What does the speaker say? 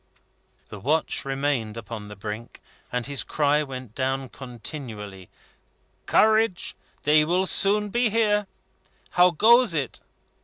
The watch remained upon the brink, and his cry went down continually: "Courage! They will soon be here. How goes it?"